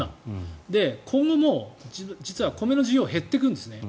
今後も実は米の需要は減っていくんですね。